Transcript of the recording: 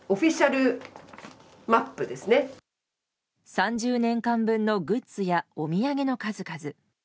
３０年間分のグッズやお土産の数々。